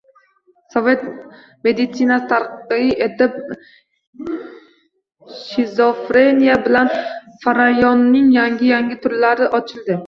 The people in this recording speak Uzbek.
Sovet meditsinasi taraqqiy etib, shizofreniya bilan paranoyyaning yangi-yangi turlari ochildi.